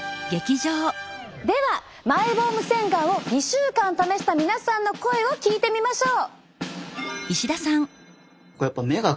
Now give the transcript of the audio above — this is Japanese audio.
ではマイボーム洗顔を２週間試した皆さんの声を聞いてみましょう！